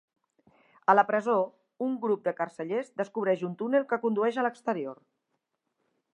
A la presó, un grup de carcellers descobreix un túnel que condueix a l'exterior.